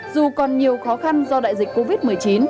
dù còn nhiều khó khăn do đại dịch covid một mươi chín